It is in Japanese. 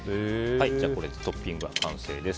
これでトッピングは完成です。